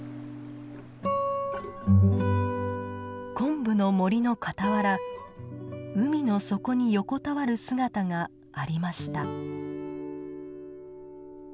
コンブの森の傍ら海の底に横たわる姿がありました。